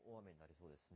そうですね。